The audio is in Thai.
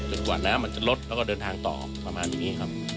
กว่าน้ำมันจะลดแล้วก็เดินทางต่อประมาณนี้ครับ